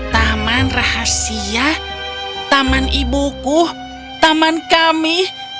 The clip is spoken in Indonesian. taman rahasia taman ibuku taman kami